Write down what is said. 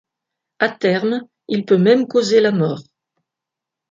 À terme, il peut même causer la mort.